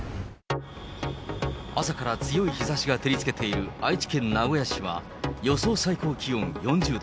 朝から強い日ざしが照りつけている愛知県名古屋市は、予想最高気温４０度。